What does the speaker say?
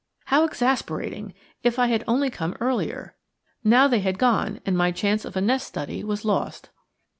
How exasperating! If I had only come earlier! Now they had gone, and my chance of a nest study was lost.